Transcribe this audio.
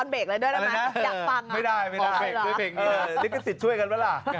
ไม่ได้ไม่ได้นี่ก็สิทธิ์ช่วยกันปะล่ะ